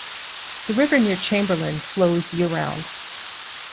The river near Chamberlain flows year-round.